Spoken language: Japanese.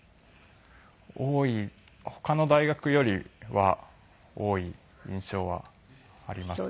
多い他の大学よりは多い印象はありますね。